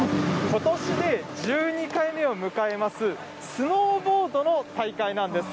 ことしで１２回目を迎えます、スノーボードの大会なんです。